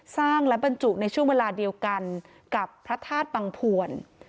สร้างและบรรจุในช่วงเวลาเดียวกันกับพระธาตุบังพวน